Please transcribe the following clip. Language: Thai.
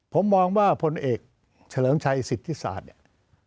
ผมมองว่าพลเอกเฉลิมชัยสิทธิศาสตร์เนี่ย